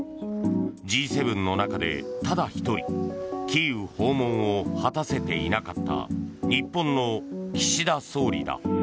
Ｇ７の中でただ１人キーウ訪問を果たせていなかった日本の岸田総理だ。